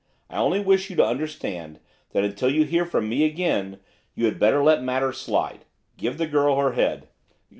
I only wish you to understand that until you hear from me again you had better let matters slide. Give the girl her head.